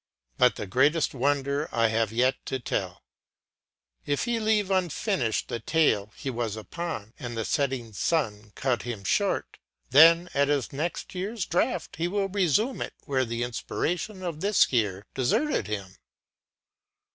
But the greatest wonder p. 256 [paragraph continues] I have yet to tell: if he leave unfinished the tale he was upon, and the setting sun cut him short, then at his next year's draught he will resume it where the inspiration of this year deserted him.